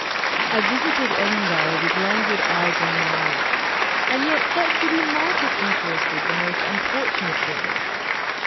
I visited Edinburgh with languid eyes and mind; and yet that city might have interested the most unfortunate being.